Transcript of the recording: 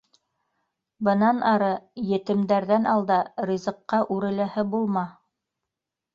- Бынан ары етемдәрҙән алда ризыҡҡа үреләһе булма.